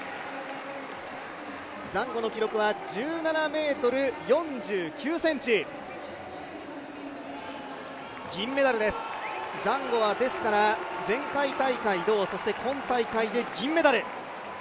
ザンゴの記録は１７ｍ４９ｃｍ、銀メダルです、ザンゴは前回大会、銅、そして今大会で銀メダル。